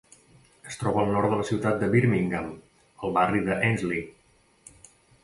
Es troba al nord de la ciutat de Birmingham, al barri de Ensley.